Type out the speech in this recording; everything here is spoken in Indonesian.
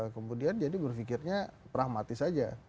kemudian jadi berfikirnya pragmatis saja